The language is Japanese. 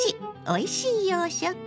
おいしい洋食」。